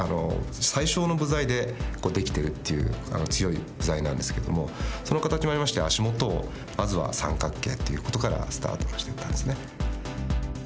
最小の部材でできてるという強い部材なんですけどもその形もありまして足元をまずは三角形という事からスタートしたんです。